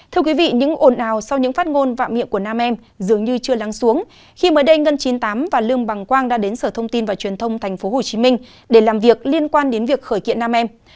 thưa quý vị những ồn ào sau những phát ngôn vạm miệng của nam em dường như chưa lắng xuống khi mới đây ngân chín mươi tám và lương bằng quang đã đến sở thông tin và truyền thông tp hcm để làm việc liên quan đến việc khởi kiện nam em